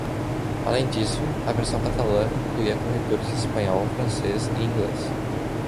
Além disso, a versão catalã incluía corretores em espanhol, francês e inglês.